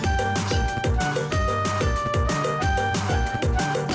gak pake alat